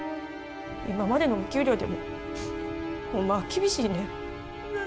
今までのお給料でもホンマは厳しいねん。